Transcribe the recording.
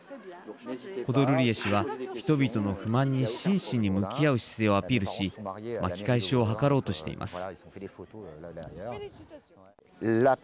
コドルリエ氏は人々の不満に真摯に向き合う姿勢をアピールし巻き返しを図ろうとしています。